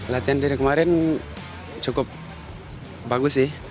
latihan dari kemarin cukup bagus sih